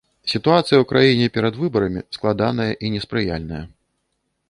Сітуацыя у краіне перад выбарамі складаная і неспрыяльная.